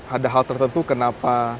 ada hal tertentu kenapa